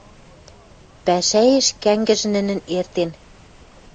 Пӓшӓэш кӓнгӹж нӹнӹн эртен...